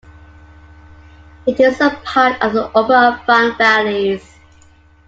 It is a part of the "Upper Afan Valleys".